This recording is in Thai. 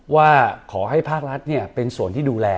ว่าขอให้ภาครัฐเป็นส่วนที่ดูแล